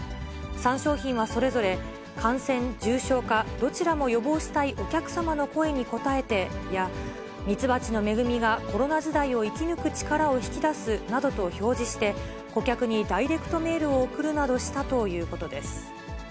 ３商品はそれぞれ、感染・重症化どちらも予防したいお客様の声に応えてや、蜜蜂の恵みがコロナ時代を生き抜く力を引き出すなどと表示して、顧客にダイレクトメールを送るなどしたということです。